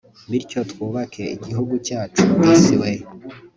bityo twubake igihugu cyacu, disi we